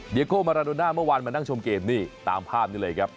โก้มาราโดน่าเมื่อวานมานั่งชมเกมนี่ตามภาพนี้เลยครับ